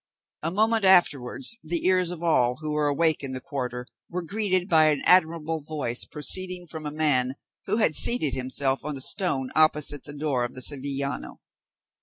A moment afterwards the ears of all who were awake in the quarter were greeted by an admirable voice proceeding from a man who had seated himself on a stone opposite the door of the Sevillano.